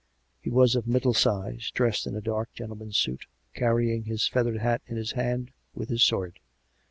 He was of middle size, dressed in a dark, gentleman's suit, carrying his feathered hat in his hand, with his sword.